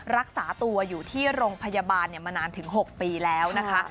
รักษาตัวอยู่ที่โรงพยาบาลมานานถึง๖ปีแล้วนะคะ